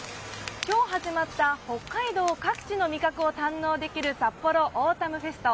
今日始まった北海道各地の味覚を堪能できるさっぽろオータムフェスト。